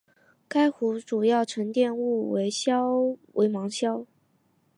该湖的主要沉积物为芒硝。